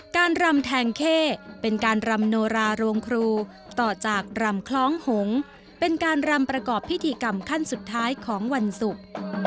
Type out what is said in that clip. รำแทงเข้เป็นการรำโนราโรงครูต่อจากรำคล้องหงเป็นการรำประกอบพิธีกรรมขั้นสุดท้ายของวันศุกร์